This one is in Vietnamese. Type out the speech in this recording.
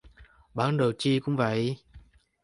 Bản đồ chi cũng vậy